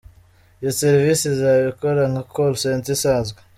Iyo serivisi izaba ikora nka ‘Call Center’ isanzwe”.